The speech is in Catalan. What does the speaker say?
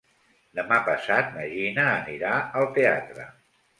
Demà passat na Gina anirà al teatre.